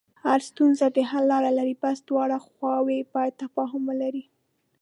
هره ستونزه د حل لاره لري، بس دواړه خواوې باید تفاهم ولري.